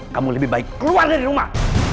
kamu lebih baik keluar dari rumah